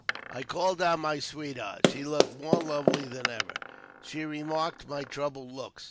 I called on my sweetheart ; she looked more lovely than ever. She remarked my troubled looks.